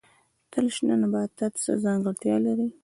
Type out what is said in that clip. تل شنه نباتات څه ځانګړتیا لري؟